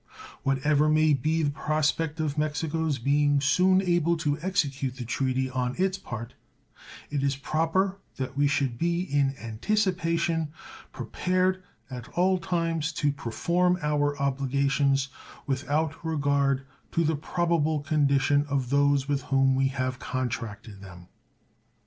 What ever may be the prospect of Mexico's being soon able to execute the treaty on its part, it is proper that we should be in anticipation prepared at all times to perform our obligations, without regard to the probable condition of those with whom we have contracted them.